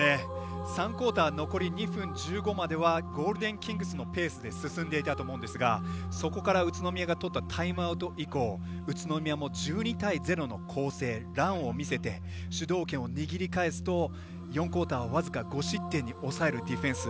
３クオーター残り２分１５まではゴールデンキングスのペースで進んでいたと思うんですがそこから宇都宮がとったタイムアウト以降宇都宮も１２対５でランを見せて主導権を握り返すと４クオーターは僅か５失点に抑えるディフェンス。